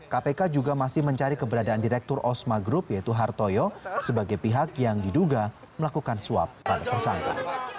kpk juga masih mencari keberadaan direktur osma group yaitu hartoyo sebagai pihak yang diduga melakukan suap pada tersangka